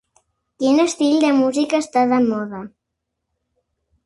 Quin estil de musical està de moda?